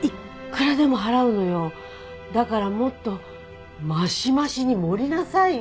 だからもっとマシマシに盛りなさいよ。